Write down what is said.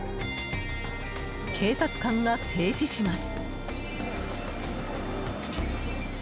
警察官が制止します。